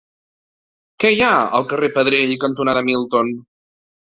Què hi ha al carrer Pedrell cantonada Milton?